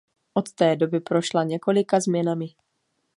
Od té doby prošla několika změnami.